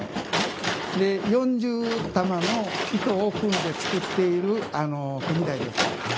４０玉の糸を組んで作っている組台です。